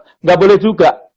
tidak boleh juga